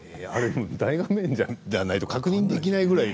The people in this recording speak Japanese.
大画面じゃないと確認できないくらいの。